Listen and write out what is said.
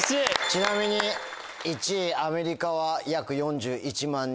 ちなみに１位アメリカは約４１万人。